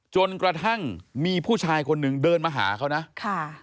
จนกระทั่งมีผู้ชายคนหนึ่งเดินมาหาเขานะค่ะ